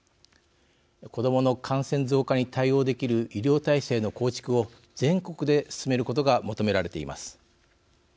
子どもの感染増加に対応できる医療体制の構築を全国で進めることが求められています。